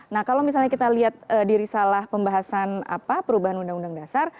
nah kalau misalnya kita lihat diri salah pembahasan perubahan undang undang dasar